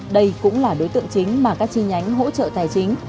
đây cũng là đối tượng chính mà các chi nhánh hỗ trợ tài chính